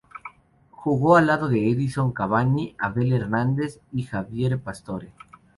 Jugó al lado de Edinson Cavani, Abel Hernández y Javier Pastore.